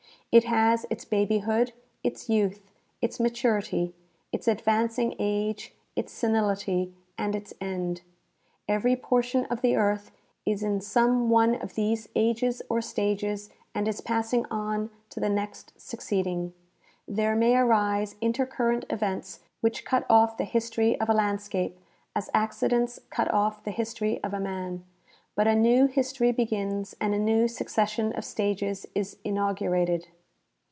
It has its babyhood, its youth, its maturity, its advancing age, its senility, and its end. Ever}^ portion of the earth is in some one of these ages or stages and is passing on to the next succeeding. There may arise intercurrent events which cut off the history of a land scape as accidents cut off the histor}^ of a man, but a ncAV his tory begins and a new succession of stages is inaugurated.